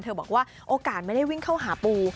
บอกว่าโอกาสไม่ได้วิ่งเข้าหาปู